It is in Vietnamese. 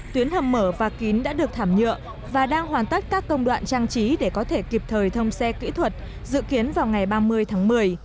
tuyến hầm mở và kín đã được thảm nhựa và đang hoàn tất các công đoạn trang trí để có thể kịp thời thông xe kỹ thuật dự kiến vào ngày ba mươi tháng một mươi